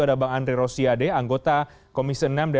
ada bang andri rosiade anggota komisi enam